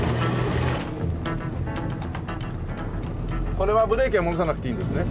これはブレーキは戻さなくていいんですね？